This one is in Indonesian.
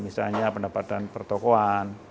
misalnya pendapatan pertokohan